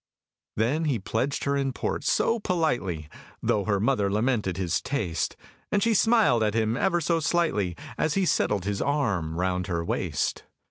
Then he pledged her in port, so politely (Tho' her mother lamented his taste), And she smiled at him ever so slightly, As he settled his arm round her waist.